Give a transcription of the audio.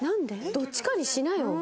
どっちかにしなよ。